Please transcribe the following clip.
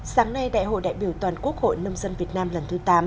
sáng nay đại hội đại biểu toàn quốc hội nông dân việt nam lần thứ tám